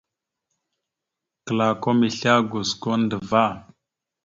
Klakom islégosko andəvá.